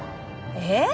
えっ？